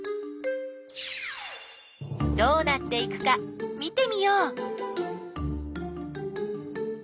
どうなっていくか見てみよう。